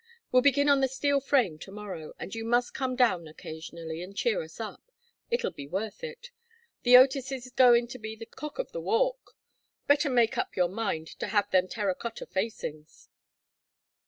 We'll begin on the steel frame to morrow, and you must come down occasionally and cheer us up. It'll be worth it. The Otis's goin' to be the cock o' the walk. Better make up your mind to have them terra cotta facings."